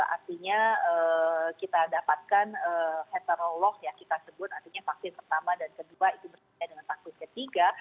artinya kita dapatkan heterolog ya kita sebut artinya vaksin pertama dan kedua itu berbeda dengan vaksin ketiga